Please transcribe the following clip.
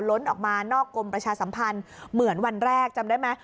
ออกมานอกกรมประชาสัมพันธ์เหมือนวันแรกจำได้ไหม